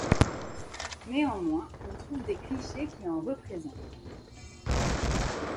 Néanmoins, on trouve des clichés qui en représentent.